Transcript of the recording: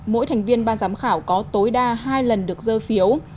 mỗi thành viên ban giám khảo có tối đa hai lần được dơ phiếu